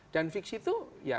dan fiksi itu